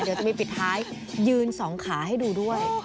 เดี๋ยวจะมีปิดท้ายยืนสองขาให้ดูด้วย